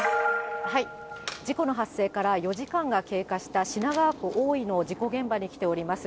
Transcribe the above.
事故の発生から４時間が経過した品川区大井の事故現場に来ています。